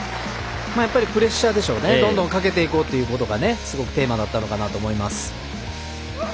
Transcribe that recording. やっぱりプレッシャーどんどんかけていこうということがすごくテーマだったかなと思います。